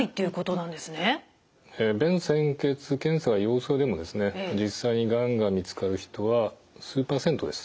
便潜血検査が陽性でも実際にがんが見つかる人は数％です。